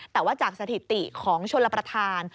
แต่ว่าจากสถิติของชลประธาน